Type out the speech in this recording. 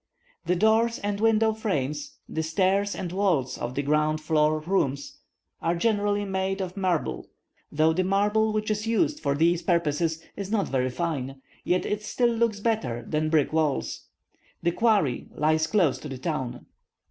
The doors and window frames, the stairs and walls of the ground floor rooms, are generally made of marble; though the marble which is used for these purposes is not very fine, yet it still looks better than brick walls. The quarry lies close to the town.